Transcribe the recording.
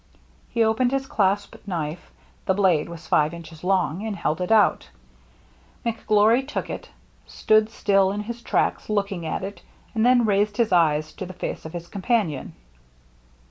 He opened his dasp knife — the blade was five inches long — and held it out« McGlory took it, stood still in his tracks looking at it, and then raised his eyes to the face of his companion.